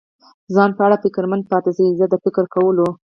ځان په اړه فکرمند پاتې شي، زه د فکر کولو.